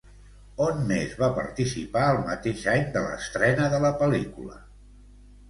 On més va participar el mateix any de l'estrena de la pel·lícula?